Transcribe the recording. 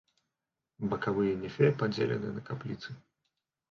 Бакавыя нефе падзелены на капліцы.